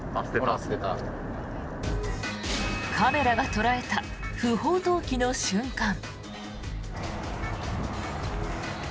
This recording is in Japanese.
カメラが捉えた不法投棄の瞬間。